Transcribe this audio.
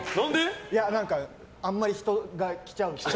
あんまり人が来ちゃうと。